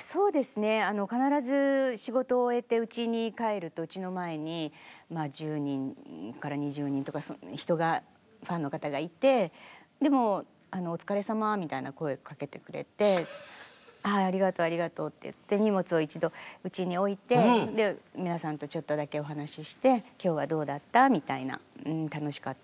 そうですね必ず仕事を終えてうちに帰るとうちの前に１０人から２０人とかファンの方がいてでも「お疲れさま」みたいな声をかけてくれて「はいありがとうありがとう」って言って荷物を一度うちに置いて皆さんとちょっとだけお話しして「今日はどうだった？」みたいな「うん楽しかった。